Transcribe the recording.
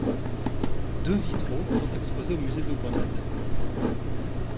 Deux vitraux sont exposés au musée de Grenade.